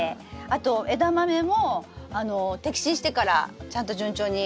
あとエダマメも摘心してからちゃんと順調に。